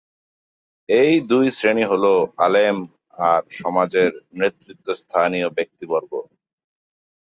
এই দুই শ্রেণি হলো আলেম আর সমাজের নেতৃত্বস্থানীয় ব্যক্তিবর্গ।